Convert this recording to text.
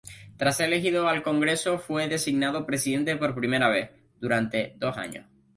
Tras ser elegido al Congreso fue designado Presidente por primera vez, durante dos años.